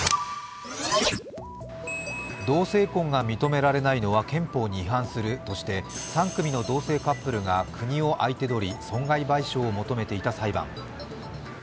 同性婚が認められないのは憲法に違反するとして３組の同性カップルが国を相手取り損害賠償を求めていた裁判。